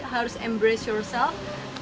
harus berpikir sendiri